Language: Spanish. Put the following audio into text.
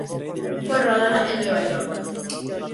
Fue rodada en Nueva York.